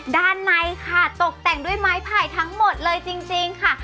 ด้านในค่ะตกแต่งด้วยไม้ไผ่ทั้งหมดเลยจริงค่ะ